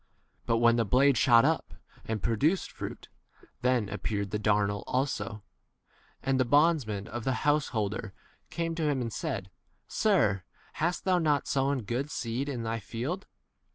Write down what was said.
But when the blade shot up and pro duced fruit, then appeared the 27 darnel also. And the bondsmen of the householder came to him and said, Sir, hast thou not sown good seed in thy field?